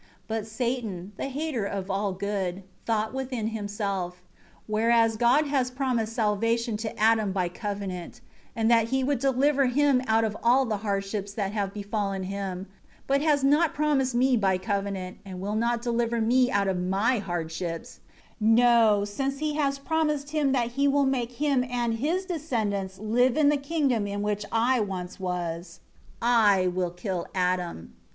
7 But Satan, the hater of all good, thought within himself: "Whereas God has promised salvation to Adam by covenant, and that He would deliver him out of all the hardships that have befallen him but has not promised me by covenant, and will not deliver me out of my hardships; no, since He has promised him that He should make him and his descendants live in the kingdom in which I once was I will kill Adam.